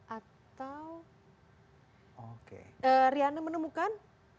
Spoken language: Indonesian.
atau riana menemukan